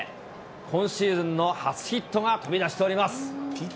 今シーズンの初ヒットが飛び出しております。